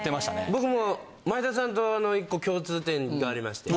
僕も前田さんと１個共通点がありまして。